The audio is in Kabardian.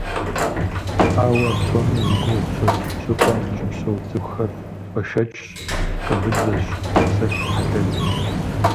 Ауэ а псоми зи гугъу тщӏы щӏыпӏэм щыпсэу цӏыхухэр бэшэчщ, пкъы быдэщ, псэ хьэлэлщ.